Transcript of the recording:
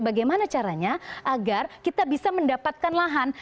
bagaimana caranya agar kita bisa mendapatkan lahan